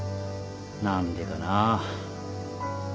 何でかな。